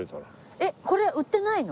えっこれ売ってないの？